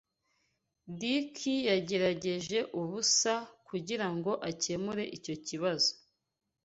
Dick yagerageje ubusa kugirango akemure icyo kibazo.